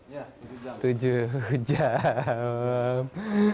iya tujuh jam